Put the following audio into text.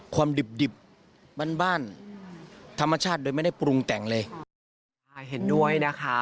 ความดิบบ้านธรรมชาติโดยไม่ได้ปรุงแต่งเลย